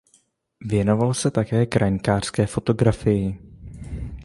Věnoval se také krajinářské fotografii.